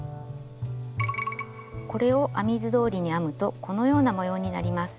これを編み図どおりに編むとこのような模様になります。